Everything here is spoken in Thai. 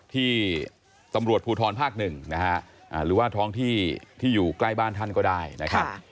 ที่ตำรวจภูทรภาคหนึ่งนะฮะหรือว่าท้องที่ที่อยู่ใกล้บ้านท่านก็ได้นะครับ